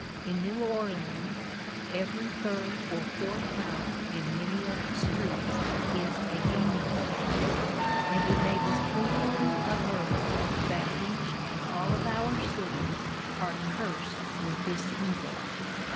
In New Orleans every third or fourth house in many of the streets is a gaming place, and it may be truthfully averred that each and all of our cities are cursed with this evil.